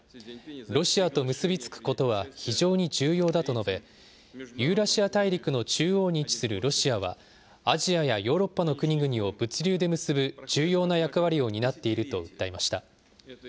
ロシアと結び付くことは非常に重要だと述べ、ユーラシア大陸の中央に位置するロシアは、アジアやヨーロッパの国々を物流で結ぶ重要な役割を担っていると訴えました。